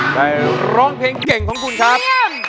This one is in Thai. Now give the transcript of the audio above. ร้องเพลงเก่งของคุณครับ